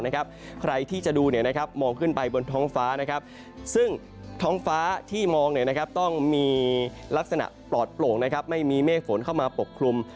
ใครที่จะดูมองขึ้นไปบนท้องฟ้าซึ่งท้องฟ้าที่มองต้องมีลักษณะปลอดโปร่งไม่มีเมฆฝนเข้ามาปกคลุม